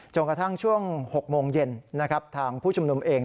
จนกระทั่งช่วง๖โมงเย็นทางผู้ชุมนุมเอง